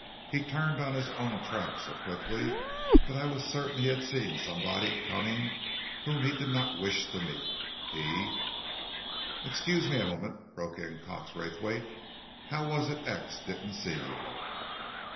He turned on his own tracks so quickly that I was certain he had seen somebody coming whom he did not wish to meet. He " "Excuse me a moment," broke in Cox Raythwaite. "How was it X. didn't see you?"